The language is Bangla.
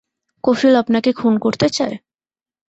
কফিল আপনাকে খুন করতে চায়?